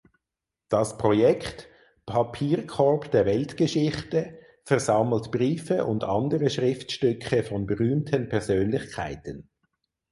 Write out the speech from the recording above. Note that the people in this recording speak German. Das Projekt „Papierkorb der Weltgeschichte“ versammelt Briefe und andere Schriftstücke von berühmten Persönlichkeiten.